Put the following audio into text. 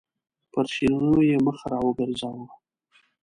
پر شیرینو یې مخ راوګرځاوه.